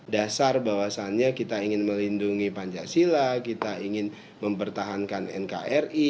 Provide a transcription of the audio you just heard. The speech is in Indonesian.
dasar bahwasannya kita ingin melindungi pancasila kita ingin mempertahankan nkri